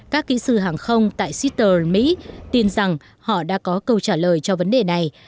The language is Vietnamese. các kỹ sư hàng không tại shitter mỹ tin rằng họ đã có câu trả lời cho vấn đề này